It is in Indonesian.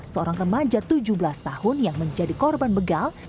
seorang remaja tujuh belas tahun yang menjadi korban begal